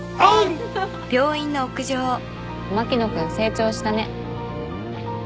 牧野君成長したね。